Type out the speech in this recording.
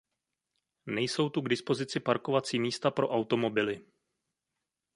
Nejsou tu k dispozici parkovací místa pro automobily.